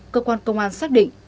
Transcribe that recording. cơ quan công an xác định